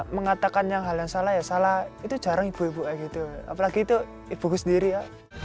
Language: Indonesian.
mengatakan hal yang salah ya salah itu jarang ibu ibu aja gitu apalagi itu ibu ibu sendiri ya